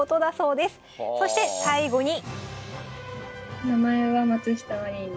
そして最後に。